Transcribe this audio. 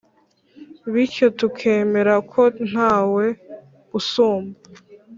bityo tukemera ko ntawe usumba